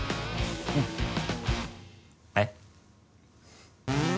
うんえっ？